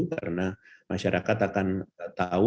karena masyarakat akan tahu